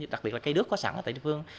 đặc biệt là cây đứt có sẵn tại địa phương